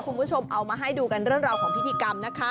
คุณผู้ชมเอามาให้ดูกันเรื่องราวของพิธีกรรมนะคะ